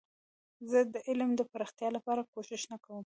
زه د علم د پراختیا لپاره کوښښ نه کوم.